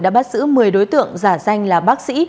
đã bắt giữ một mươi đối tượng giả danh là bác sĩ